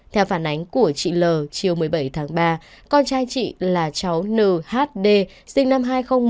theo phản ánh của chị l chiều một mươi bảy tháng ba con trai chị là cháu nhd sinh năm hai nghìn một